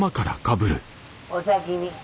お先に。